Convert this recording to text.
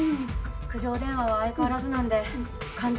苦情電話は相変わらずなんで完っ